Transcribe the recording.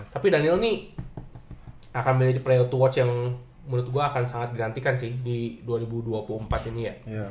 tapi daniel ini akan menjadi playout to watch yang menurut gue akan sangat dinantikan sih di dua ribu dua puluh empat ini ya